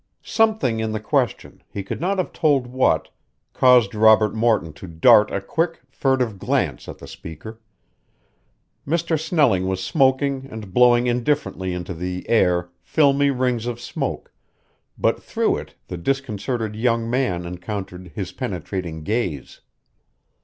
Something in the question, he could not have told what, caused Robert Morton to dart a quick, furtive glance at the speaker. Mr. Snelling was smoking and blowing indifferently into the air filmy rings of smoke, but through it the disconcerted young man encountered his penetrating gaze.